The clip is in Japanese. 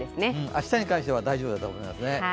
明日に関しては大丈夫だと思います。